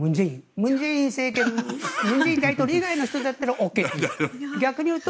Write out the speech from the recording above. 文在寅政権以外の人だったらＯＫと。